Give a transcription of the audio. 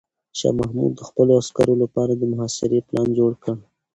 شاه محمود د خپلو عسکرو لپاره د محاصرې پلان جوړ کړ.